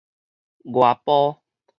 外埔